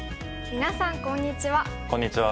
みなさんこんにちは。